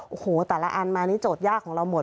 โอ้โหแต่ละอันมานี่โจทยากของเราหมด